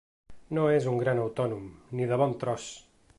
No és un gran autònom, ni de bon tros!